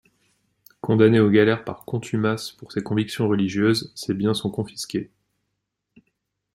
Condamné aux galères par contumace pour ses convictions religieuses, ses biens sont confisqués.